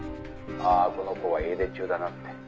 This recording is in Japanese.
ああこの子は家出中だなって」